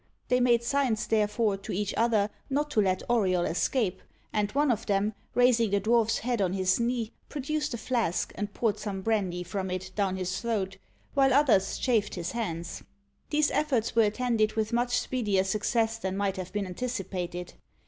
They made signs, therefore, to each other not to let Auriol escape, and one of them, raising the dwarf's head on his knee, produced a flask, and poured some brandy from it down his throat, while others chafed his hands. These efforts were attended with much speedier success than might have been anticipated.